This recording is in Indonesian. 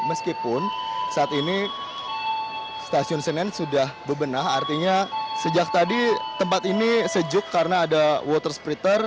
meskipun saat ini stasiun senen sudah bebenah artinya sejak tadi tempat ini sejuk karena ada water spritter